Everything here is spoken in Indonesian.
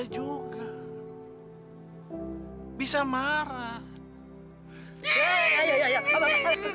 bisa juga bisa marah ya ya ya